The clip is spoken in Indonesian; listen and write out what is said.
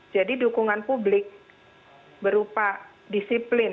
jadi dukungan publik berupa disiplin